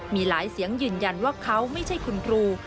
มีหลายเสียงยืนยันว่าเขาไม่ใช่คุณครู